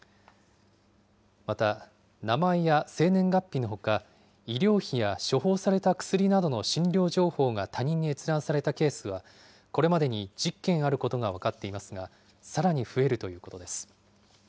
また、名前や生年月日のほか、医療費や処方された薬などの診療情報が他人に閲覧されたケースは、これまでに１０件あることが分かっていますが、さらに増えるということです。